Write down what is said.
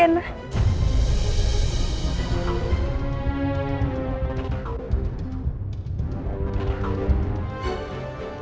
kau sendiri aja